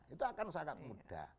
itu akan sangat mudah